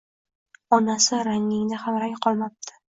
Onasi, rangingda ham rang qolmabdi